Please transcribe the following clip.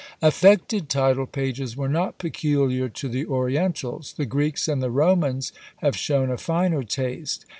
Affected title pages were not peculiar to the orientals: the Greeks and the Romans have shown a finer taste.